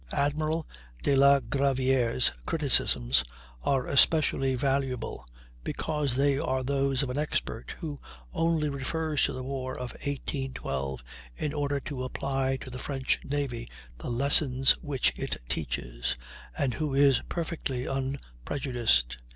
Admiral de la Gravière's criticisms are especially valuable, because they are those of an expert, who only refers to the war of 1812 in order to apply to the French navy the lessons which it teaches, and who is perfectly unprejudiced.